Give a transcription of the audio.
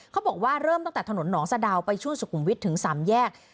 เขาบอกว่าเริ่มตั้งแต่ถนนหนองสะดาวไปช่วงสุขุมวิทย์ถึง๓แยก